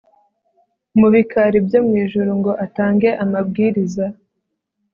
mu bikari byo mu ijuru ngo atange amabwiriza